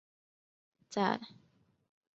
在野外很少会见到它们。